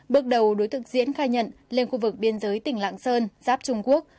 bước đầu đối tượng diễn khai nhận lên khu vực biên giới tỉnh lạng sơn giáp trung quốc